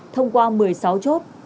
thông qua một mươi sáu chốt